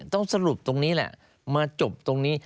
ต้องสรุปตรงนี้แหละมาจบตรงนี้